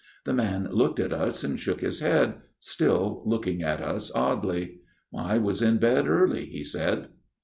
The man looked at us and shook his head, still looking at us oddly. ' I was in bed early/ he said.